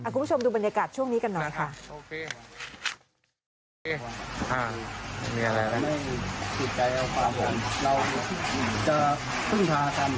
คุณผู้ชมดูบรรยากาศช่วงนี้กันหน่อยค่ะ